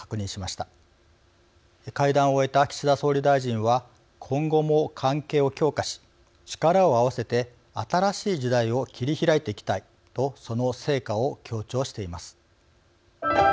会談を終えた岸田総理大臣は「今後も関係を強化し力を合わせて新しい時代を切り開いていきたい」とその成果を強調しています。